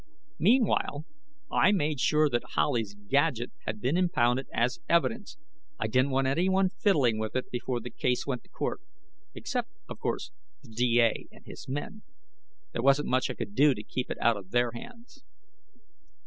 Meanwhile, I made sure that Howley's gadget had been impounded as evidence. I didn't want anyone fiddling with it before the case went to court except, of course, the D. A. and his men. There wasn't much I could do to keep it out of their hands.